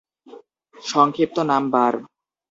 সংক্ষিপ্ত নাম বার।